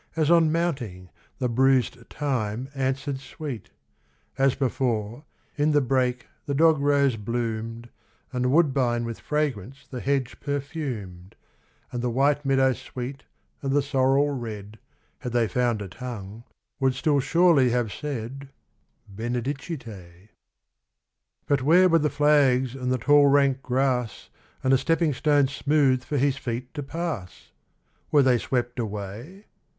As on mounting, the bruised thyme answered sweet ; As before, in the brake the dog rose bloomed. And the woodbine with fragrance the hedge perfumed ; And the white meadow sweet and the sorrel red, Had they found a tongue, would still surely have said, Benedicite. ISO BROTHER BENEDICT XIV But where were the flags and the tall rank grass, And the stepping stones smooth for his feet to pass ? Were they swept away